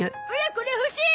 これ欲しい！